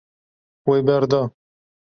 Wê berda.